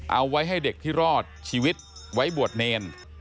เอาไว้ให้เด็กที่รอดชีวิตไว้บวชเนร